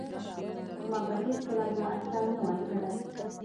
ما به هیڅکله دا اټکل نه وای کړی